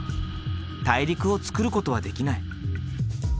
大陸をつくることはできない。